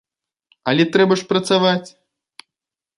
Але трэба ж працаваць!